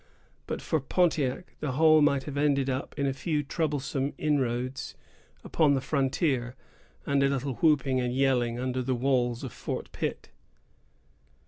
But for Pontiac, the whole might have ended in a few troublesome inroads upon the frontier, and a little whooping and yelling under the walls of Fort Pitt.